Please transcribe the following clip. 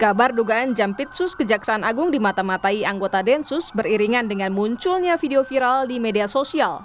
kabar dugaan jampitsus kejaksaan agung dimata matai anggota densus beriringan dengan munculnya video viral di media sosial